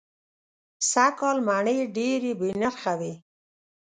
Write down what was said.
سږ کال مڼې دېرې بې نرخه وې.